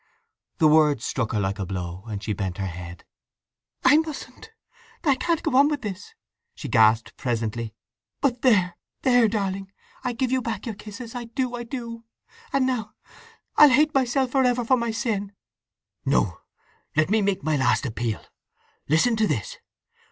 The words struck her like a blow, and she bent her head. "I mustn't—I can't go on with this!" she gasped presently. "But there, there, darling; I give you back your kisses; I do, I do! … And now I'll hate myself for ever for my sin!" "No—let me make my last appeal. Listen to this!